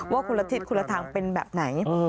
คนละทิศคนละทางเป็นแบบไหน